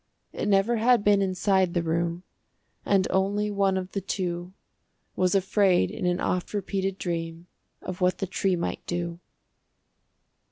It never had been inside the room, And only one of the two Was afraid in an oft repeated dream Of what the tree might do.